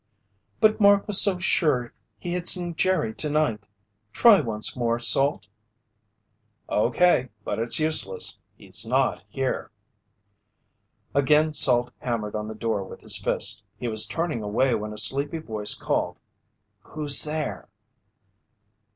"But Mark was so sure he had seen Jerry tonight. Try once more, Salt." "Okay, but it's useless. He's not here." Again Salt hammered on the door with his fist. He was turning away when a sleepy voice called: "Who's there?"